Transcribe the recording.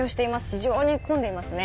非常に混んでいます。